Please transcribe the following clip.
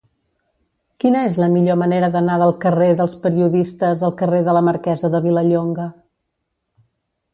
Quina és la millor manera d'anar del carrer dels Periodistes al carrer de la Marquesa de Vilallonga?